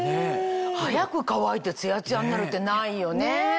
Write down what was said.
早く乾いてツヤツヤになるってないよね！